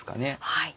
はい。